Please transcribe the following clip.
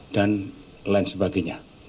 dan lain sebagainya